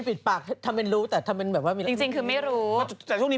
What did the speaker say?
น้องเบลล่าไม่ได้มีถามอะไรตอนนี้